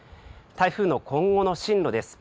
台風の今後の進路です。